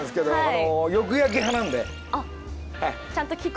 よく焼き派なんで。